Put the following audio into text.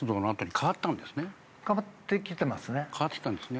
変わってきたんですね。